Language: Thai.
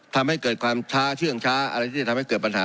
ทำให้เกิดความช้าเชื่องช้าอะไรที่จะทำให้เกิดปัญหา